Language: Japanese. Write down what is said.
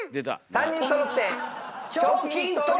３人そろって。